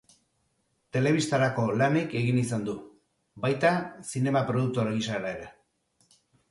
Telebistarako lanik egin izan du, baita zinema produktore gisara ere.